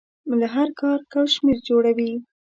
له هر کار کشمیر جوړوي.